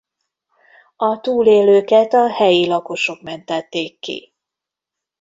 A túlélőket a helyi lakosok mentették ki.